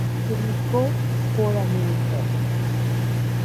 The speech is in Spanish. Publicó Foraminifera.